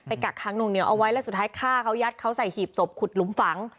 กักค้างนวงเหนียวเอาไว้แล้วสุดท้ายฆ่าเขายัดเขาใส่หีบศพขุดหลุมฝัง